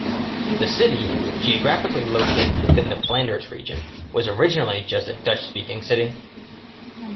The city, geographically located within the Flanders region, was originally just a Dutch-speaking city.